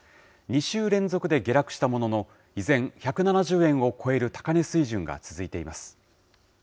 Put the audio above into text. ２週連続で下落したものの、依然、１７０円を超える高値水準が続いています。